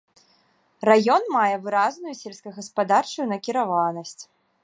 Раён мае выразную сельскагаспадарчую накіраванасць.